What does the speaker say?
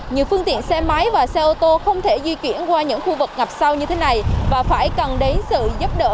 nhiều phương tiện xe máy và xe ô tô không thể di chuyển qua những khu vực ngập sâu như thế này và phải cần đến sự giúp đỡ của lực lượng cứu hộ